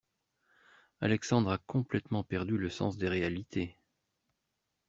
Alexandre a complètement perdu le sens des réalités.